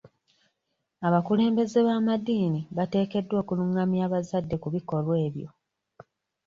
Abakulembeze b'amadiini batekeddwa okulungamya abazadde ku bikolwa ebyo.